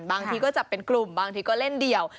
บางทีก็จับเป็นกลุ่มบางทีก็เล่นเดียว